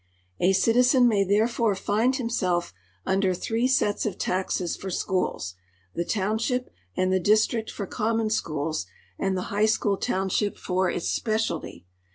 A citizen may therefore find himself under three sets of taxes for schools — the township and the district for common schools and the high school township for its specialty.